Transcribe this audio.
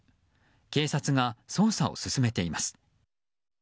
警察が捜査を進めています。